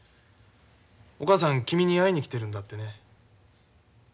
お母さん君に会いに来てるんだってね。